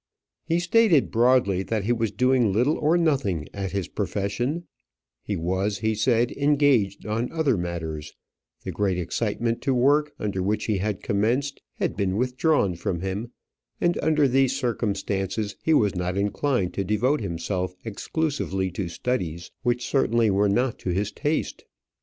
He stated broadly that he was doing little or nothing at his profession: he was, he said, engaged on other matters; the great excitement to work, under which he had commenced, had been withdrawn from him; and under these circumstances he was not inclined to devote himself exclusively to studies which certainly were not to his taste.